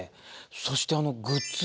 そしてあのグッズ